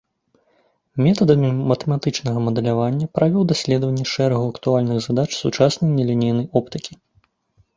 Метадамі матэматычнага мадэлявання правёў даследаванні шэрагу актуальных задач сучаснай нелінейнай оптыкі.